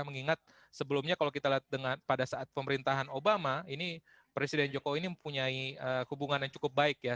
mengingat sebelumnya kalau kita lihat pada saat pemerintahan obama ini presiden jokowi ini mempunyai hubungan yang cukup baik ya